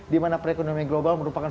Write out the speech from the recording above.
dimana perekonomian global merupakan